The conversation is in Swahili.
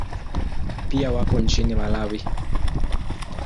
Pia wako nchini Malawi.